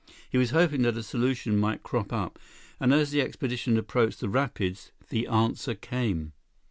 He was hoping that a solution might crop up, and as the expedition approached the rapids, the answer came.